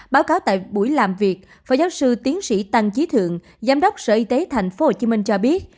báo cáo tại buổi làm việc phó giáo sư tiến sĩ tăng trí thượng giám đốc sở y tế tp hcm cho biết